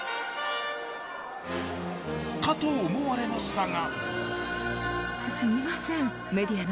かと思われましたが。